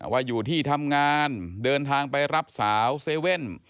ว่าอยู่ที่ทำงานเดินทางไปรับสาวเซเว่น